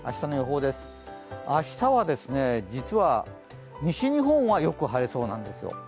明日は、実は西日本は、よく晴れそうなんです。